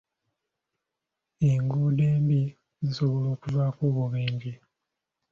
Enguudo embi zisobola okuvaako obubenje.